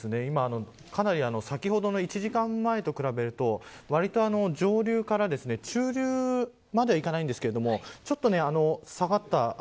今かなり先ほどの１時間前と比べるとわりと上流から中流まではいかないんですがちょっと下がった。